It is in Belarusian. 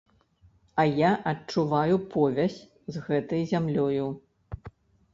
А я адчуваю повязь з гэтай зямлёю.